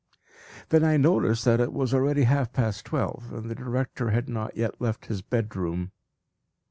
Then I noticed that it was already half past twelve, and the director had not yet left his bedroom.